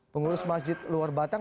pengurus masjid luar batang